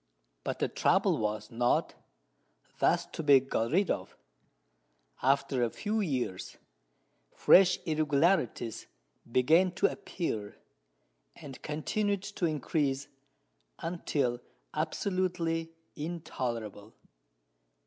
But the trouble was not thus to be got rid of. After a few years fresh irregularities began to appear, and continued to increase until absolutely "intolerable."